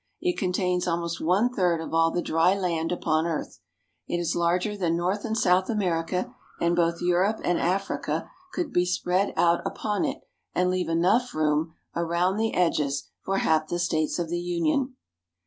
It contains almost one third of all the dry land upon earth. It is larger than North and South America, and both Europe and Africa (13) 14 INTRODUCTION could be spread out upon it and leave enough room around the edges for half the states of the Union.